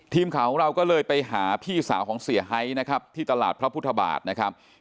ทีมข่าวของเราก็เลยไปหาพี่สาวของเสียไฮนะครับที่ตลาดพระพุทธบาทนะครับ